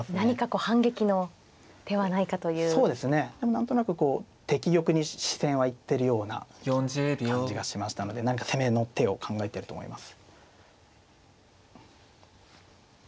何となくこう敵玉に視線は行ってるような感じがしましたので何か攻めの手を考えてると思います。